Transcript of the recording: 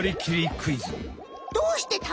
クイズ！」。